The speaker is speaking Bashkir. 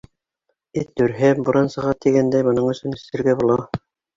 Эт өрһә, буран сыға тигәндәй, бының өсөн эсергә була.